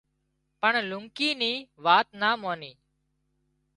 پڻ لونڪي نِي وات نا ماني